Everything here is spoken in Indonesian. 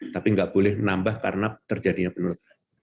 tapi nggak boleh menambah karena terjadinya penurunan